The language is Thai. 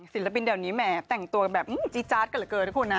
ศิลปินแบบนี้แหมแต่งตัวแบบจี้จ๊าดกระเกิร์ทุกคนนะ